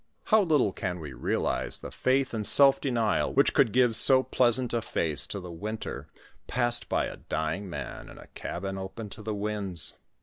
How little can we realize the faith and self denial which could give so pleasant a face to a winter passed by a dying man in a cabin open to the winds.